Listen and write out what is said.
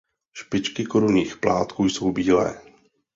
Špičky korunních plátků jsou bílé.